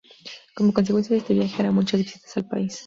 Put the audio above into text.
Como consecuencia de este viaje, hará muchas visitas al país.